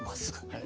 はい。